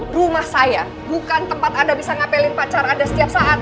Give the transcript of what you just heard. rumah saya bukan tempat anda bisa ngapelin pacar anda setiap saat